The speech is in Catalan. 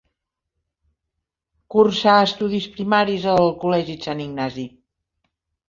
Cursà estudis primaris al col·legi Sant Ignasi.